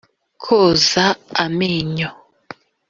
koza amenyo